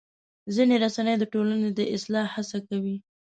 ځینې رسنۍ د ټولنې د اصلاح هڅه کوي.